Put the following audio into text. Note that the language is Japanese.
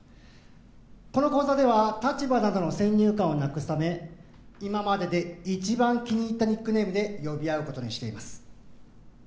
この講座では立場などの先入観をなくすため今までで一番気に入ったニックネームで呼び合うことにしています